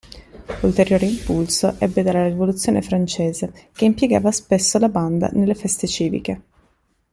Ulteriore impulso ebbe dalla Rivoluzione francese, che impiegava spesso la banda nelle feste civiche.